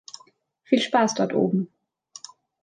Viel Spaß dort oben.